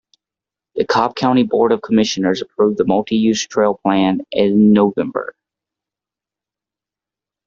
The Cobb County Board of Commissioners approved the multi-use trail plan in November.